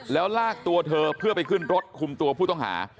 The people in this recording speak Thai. แล้วลากตัวเธอเพื่อไปขึ้นรถคุมตัวผู้ต้องหา